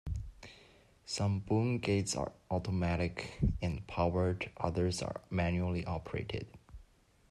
Some boom gates are automatic and powered, others are manually operated.